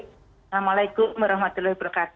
assalamualaikum wr wb